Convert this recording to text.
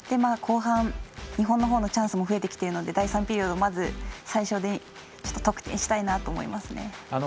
後半、日本のほうのチャンスも増えてきてるので第３ピリオド、まず最初に得点したいなと思いますね。